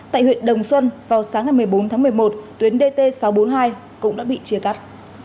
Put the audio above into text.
tại huyện đồng xuân vào sáng ngày một mươi bốn tháng một mươi một tuyến dt sáu trăm bốn mươi hai cũng đã bị chia cắt